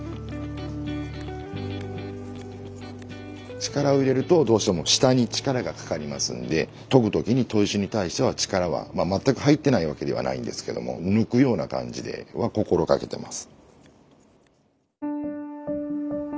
力を入れるとどうしても下に力がかかりますんで研ぐ時に砥石に対しては力はまあ全く入ってないわけではないんですけども抜くような感じでは心がけてます。